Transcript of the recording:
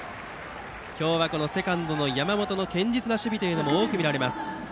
今日はセカンドの山本の堅実な守備が多く見られます。